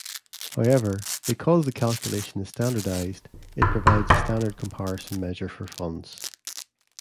However, because the calculation is standardized, it provides a standard comparison measure for funds.